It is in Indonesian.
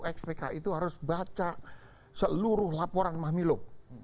ex pki itu harus baca seluruh laporan mahmilo